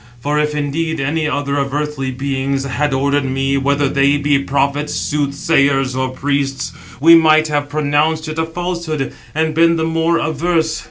For if indeed any other of earthly beings had ordered me, whether they be prophets, soothsayers, or priests, we might have pronounced it a falsehood, and been the more averse.